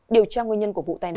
điều tra nguyên nhân của vụ tai nạn